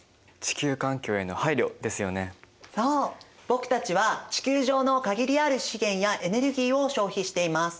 僕たちは地球上の限りある資源やエネルギーを消費しています。